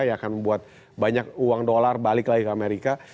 yang akan membuat banyak uang dolar balik lagi ke amerika